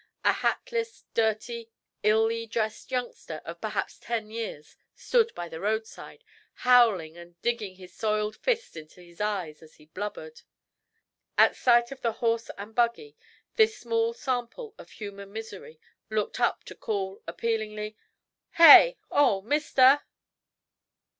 A hatless, dirty, illy dressed youngster of perhaps ten years stood by the roadside, howling and digging his soiled fists into his eyes as he blubbered. At sight of the horse and buggy this small sample of human misery looked up to call, appealingly: "Hey! Oh, mister!"